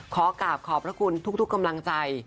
ขอกราบขอบพระคุณทุกกำลังใจ